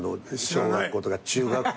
小学校とか中学校。